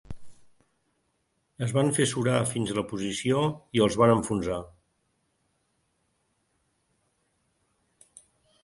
Es van fer surar fins a la posició i els van enfonsar.